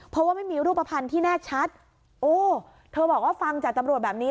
เพราะว่าไม่มีรูปภัณฑ์ที่แน่ชัดโอ้เธอบอกว่าฟังจากตำรวจแบบนี้